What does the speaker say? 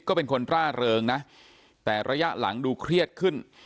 ก็เป็นคนร่าเริงนะแต่ระยะหลังดูเครียดขึ้น